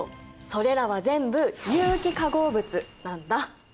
それらは全部有機化合物なんだ。